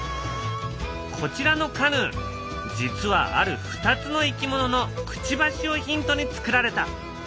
こちらのカヌー実はある２つのいきもののくちばしをヒントにつくられた。